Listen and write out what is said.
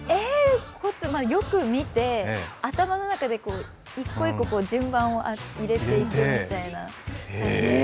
よく見て、頭の中で１個１個順番を入れていってみたいな感じです。